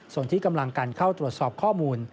ส่วนที่กำลังการเข้าตรวจสอบข้อมูล